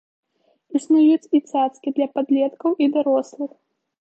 Існуюць і цацкі для падлеткаў і дарослых.